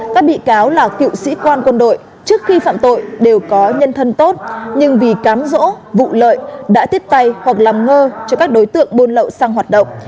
các bị cáo là cựu sĩ quan quân đội trước khi phạm tội đều có nhân thân tốt nhưng vì cám rỗ vụ lợi đã tiếp tay hoặc làm ngơ cho các đối tượng buôn lậu sang hoạt động